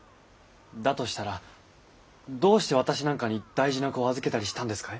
だとしたらどうして私なんかに大事な子を預けたりしたんですかい？